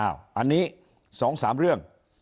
อันนี้๒๓เรื่อง